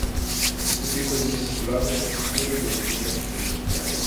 Su pico es gris azulado, más oscuro en la mandíbula superior.